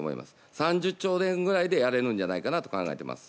３０兆円ぐらいでやれるんじゃないかと考えています。